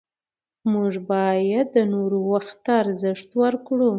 موږ باید د نورو وخت ته ارزښت ورکړو